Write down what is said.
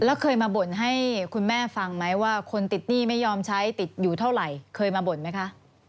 แล้วเคยมาบ่นให้คุณแม่ฟังไหมว่าคนติดหนี้ไม่ยอมใช้ติดอยู่เท่าไหร่เคยมาบ่นไหมคะ